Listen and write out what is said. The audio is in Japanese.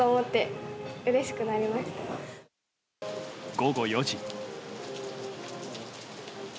午後４時。